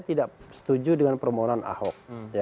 tidak setuju dengan permohonan ahok